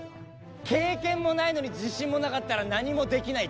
経験もないのに自信もなかったら何もできない。